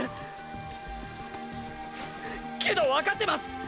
けどわかってます！